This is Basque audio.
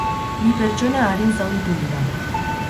Bi pertsona arin zauritu dira.